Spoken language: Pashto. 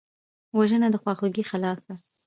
وژنه د خواخوږۍ خلاف ده